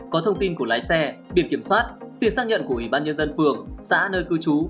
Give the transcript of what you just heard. có thông tin của lái xe biển kiểm soát xin xác nhận của ủy ban nhân dân phường xã nơi cư trú